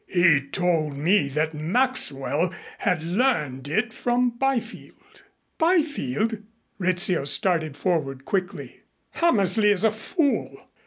"He told me that Maxwell had learned it from Byfield." "Byfield!" Rizzio started forward quickly. "Hammersley is a fool.